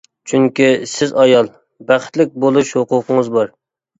چۈنكى سىز ئايال، بەختلىك بولۇش ھوقۇقىڭىز بار.